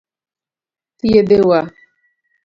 Thiedhe wa.